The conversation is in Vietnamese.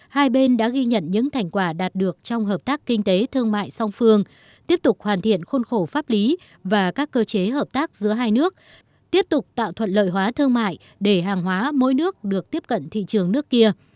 hai bên đã ghi nhận những thành quả đạt được trong hợp tác kinh tế thương mại song phương tiếp tục hoàn thiện khôn khổ pháp lý và các cơ chế hợp tác giữa hai nước tiếp tục tạo thuận lợi hóa thương mại để hàng hóa mỗi nước được tiếp cận thị trường nước kia